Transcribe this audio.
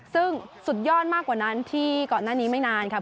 ซึ่งสุดยอดมากกว่านั้นที่ก่อนหน้านี้ไม่นานค่ะ